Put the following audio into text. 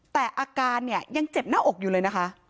แต่อาการเนี่ยยังเจ็บหน้าอกอยู่เลยนะคะ